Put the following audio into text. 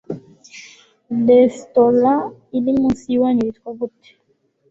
Restaurant iri munsi yiwanyu yitwa gute?